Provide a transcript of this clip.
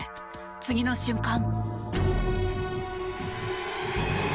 次の瞬間。